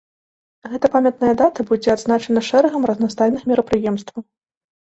Гэта памятная дата будзе адзначана шэрагам разнастайных мерапрыемстваў.